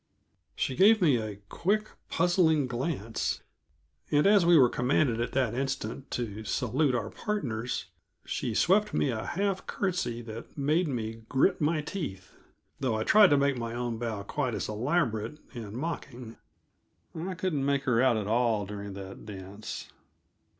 She gave me a quick, puzzling glance, and as we were commanded at that instant to salute our partners, she swept me a half curtsy that made me grit my teeth, though I tried to make my own bow quite as elaborate and mocking. I couldn't make her out at all during that dance.